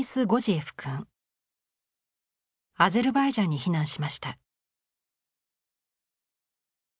アゼルバイジャンに避難しました。